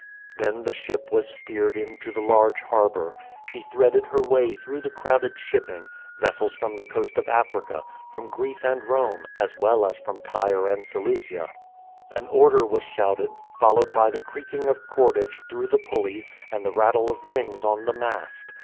Then the ship was steered into the large harbour. She threaded her yvay through the crowded shipping — vessels from the coast of Africa, from Greece and Rome, as well as from Tyre and Seleucia. An order was shouted, followed by the creaking of cordage through the pulleys, and the rattle of rings on the mast.